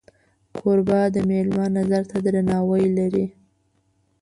کوربه د میلمه نظر ته درناوی لري.